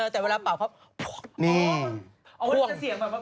แต่เวลาเป่าเขาพ่วง